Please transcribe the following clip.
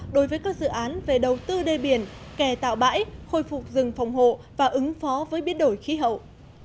đối với các dự án về đầu tư đê biển kè tạo bãi khôi phục rừng phòng hộ và ứng phó với biến đổi khí hậu